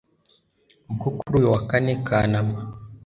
Ubwo kuri uyu wa kane Kanama